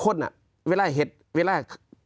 คนอ่ะเวลาเห็ดเวลา